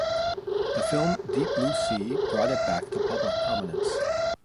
The film "Deep Blue Sea" brought it back to public prominence.